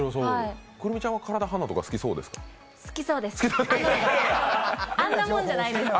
くるみちゃんは体張るのとか好きそうですか？